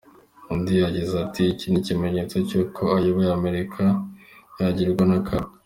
Undi yagize ati “Iki ni ikimenyetso cy’uko ayoboye Amerika yagwirwa n’akaga.”